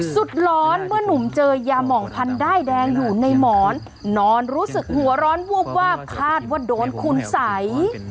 สุดร้อนเมื่อนุ่มเจอยาหมองพันธ้ายแดงอยู่ในหมอนนอนรู้สึกหัวร้อนวูบวาบคาดว่าโดนคุณสัย